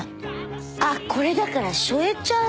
あっこれだからしょえちゃう。